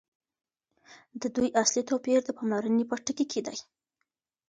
د دوی اصلي توپیر د پاملرني په ټکي کي دی.